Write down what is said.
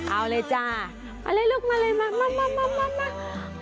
เอาเลยจ้ามาเลยลูกมาเลยมามามามามามา